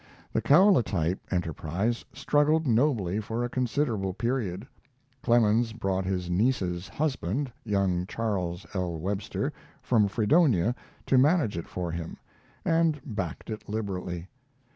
The kaolatype enterprise struggled nobly for a considerable period. Clemens brought his niece's husband, young Charles L. Webster, from Fredonia to manage it for him, and backed it liberally.